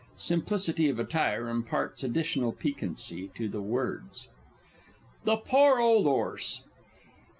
Simplicity of attire imparts additional piquancy to the words: THE POOR OLD 'ORSE.